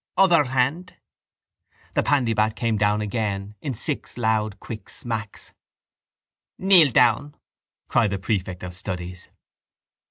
—Other hand! The pandybat came down again in six loud quick smacks. —Kneel down! cried the prefect of studies.